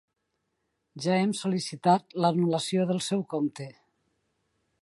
Ja hem sol·licitat l'anul·lació del seu compte.